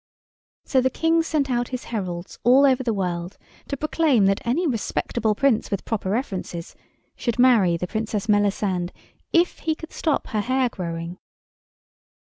So the King sent out his heralds all over the world to proclaim that any respectable Prince with proper references should marry the Princess Melisande if he could stop her hair growing.